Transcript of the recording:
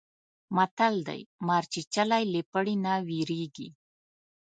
متل دی: مار چیچلی له پړي نه وېرېږي.